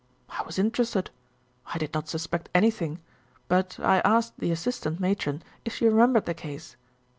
I was interested. I did not suspect anything, but I asked the assistant matron if she remembered the case.